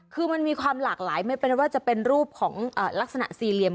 คือมันมีความหลากหลายไม่เป็นว่าจะเป็นรูปของลักษณะสี่เหลี่ยม